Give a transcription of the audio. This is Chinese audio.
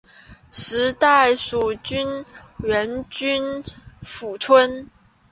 古时属荏原郡衾村。